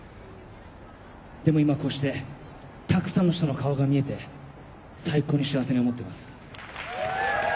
でも今こうしてたくさんの人の顔が見えて最高に幸せに思ってます。